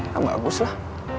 ya bagus lah